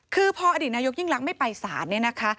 คือพออดีตนายกยิ่งรักไม่ไปสารเนี่ยนะคะ